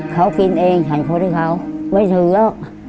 เขากินกินเองฉันเขาด้วยเขา